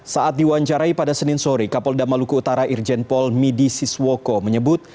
saat diwawancarai pada senin sore kapolda maluku utara irjen pol midi siswoko menyebut